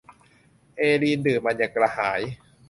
เอลีนดื่มมันอย่างกระหาย